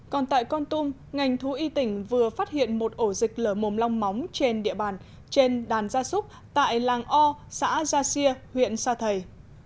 còn tại con tum ngành thú y tỉnh vừa phát hiện một ổ dịch lở mồm long móng trên địa bàn trên đàn gia súc tại làng o xã gia xia huyện sa thầy